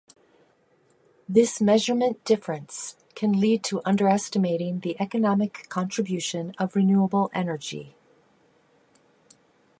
This measurement difference can lead to underestimating the economic contribution of renewable energy.